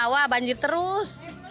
wah banjir terus